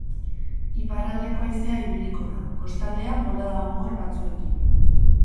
Iparraldeko haizea ibiliko da, kostaldean bolada gogor batzuekin.